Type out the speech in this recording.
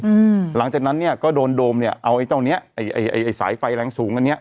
อืมหลังจากนั้นเนี้ยก็โดนโดมเนี้ยเอาไอ้เจ้าเนี้ยไอ้ไอ้ไอ้สายไฟแรงสูงอันเนี้ย